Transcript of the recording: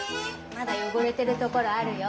まだよごれてるところあるよ。